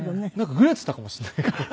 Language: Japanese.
グレていたかもしれない。